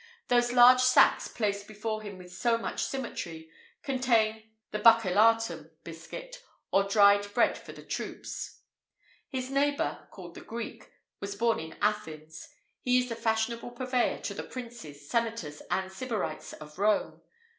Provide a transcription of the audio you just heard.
Those large sacks, placed before him with so much symmetry, contain the buccellatum biscuit, or dried bread for the troops.[IV 70] His neighbour (called the Greek), was born at Athens; he is the fashionable purveyor to the princes, senators, and sybarites of Rome.